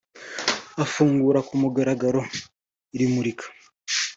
Afungura ku mugaragaro iri murika